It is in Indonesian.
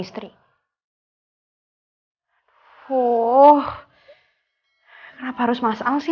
aku sedar tujuannya kamu halus rasa ketika kamu mungkin ke nilai ini